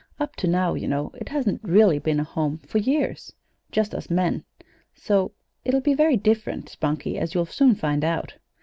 Up to now, you know, it hasn't really been a home, for years just us men, so. It'll be very different, Spunkie, as you'll soon find out.